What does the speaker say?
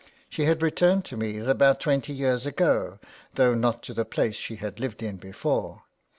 She had returned to Meath about twenty years ago, though not to the place she had lived in before.